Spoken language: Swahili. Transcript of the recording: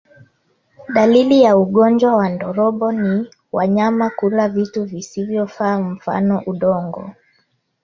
Dalili ya ugonjwa wa ndorobo ni wanyama kula vitu visivyofaa mfano udongo